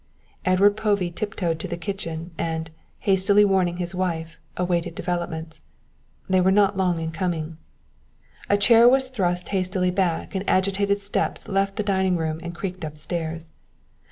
Edward Povey tiptoed to the kitchen, and, hastily warning his wife, awaited developments. They were not long in coming. A chair was thrust hastily back and agitated steps left the dining room and creaked upstairs.